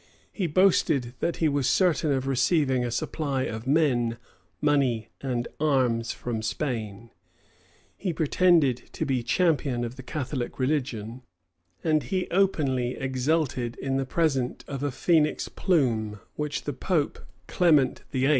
He boasted that he was certain of receiving a supply of men, money, and arms from Spain: he pretended to be champion of the Catholic religion: and he openly exulted in the present of a phoenix plume, which the pope, Clement VIII.